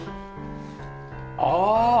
ああ！